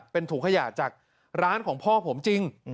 เป็นถุงขยะจากร้านของพ่อผมจริง